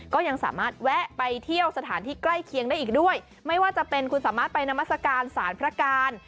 ก็ยังสามารถแวะไปเที่ยวสถานที่ใกล้เคียงได้อีกด้วยไม่ว่าจะเป็นคุณสามารถไปนามัศกาลสารพระการ